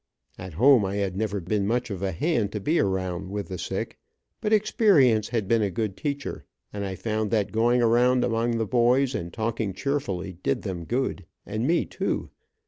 At home I had never been much of a hand to be around with the sick, but experience had been a good teacher, and I found that going around among the boys, and talking cheerfully did them good and me too.